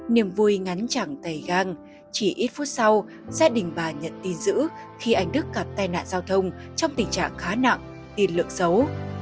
niềm vui ngắn chẳng tầy gang chỉ ít phút sau gia đình bà nhận tin giữ khi anh đức gặp tai nạn giao thông trong tình trạng khá nặng tin lượng xấu